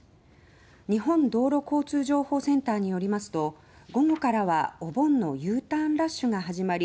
日本道路交通情報センターによりますと午後からはお盆のＵターンラッシュが始まり